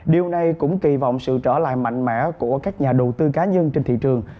điều này cũng kỳ vọng sự trở lại mạnh mẽ của các nhà đầu tư cá nhân trên thị trường